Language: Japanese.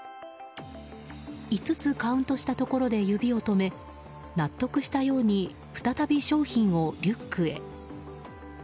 ５つカウントしたところで指を止め納得したように再び商品をリュックへ。